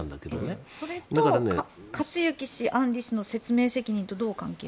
それと克行氏、案里氏の説明責任とどう関係が？